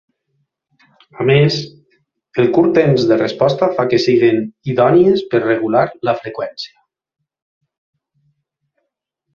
A més, el curt temps de resposta fa que siguin idònies per regular la freqüència.